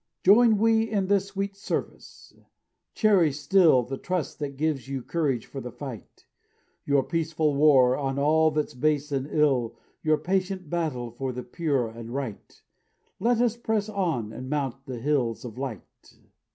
"Join we in this sweet service; cherish still The trust that gives you courage for the fight; Your 'peaceful war' on all that's base and ill, Your patient battle for the pure, the right. Let us press on and mount the hills of light."